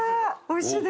おいしい？